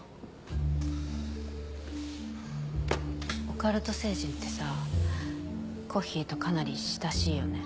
オカルト星人ってさコッヒーとかなり親しいよね？